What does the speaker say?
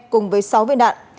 cùng với sáu viên đạn